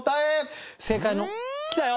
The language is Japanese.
正解のきたよ！